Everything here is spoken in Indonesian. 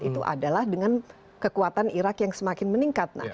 itu adalah dengan kekuatan irak yang semakin meningkat